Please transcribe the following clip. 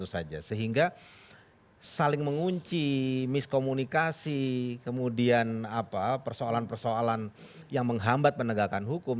sehingga saling mengunci miskomunikasi kemudian persoalan persoalan yang menghambat penegakan hukum